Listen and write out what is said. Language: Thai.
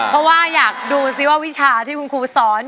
เพราะว่าอยากดูสิว่าวิชาที่คุณครูสอน